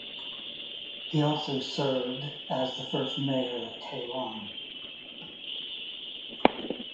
He also served as the first mayor of Tehran.